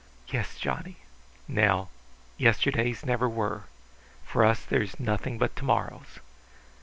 "Yes, Johnny. Now, yesterdays never were. For us there is nothing but to morrows.